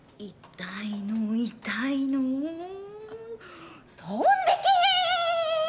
痛いの痛いの飛んでけ！